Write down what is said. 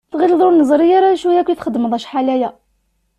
Tɣilleḍ ur neẓri ara acu akk i txeddmeḍ acḥal aya?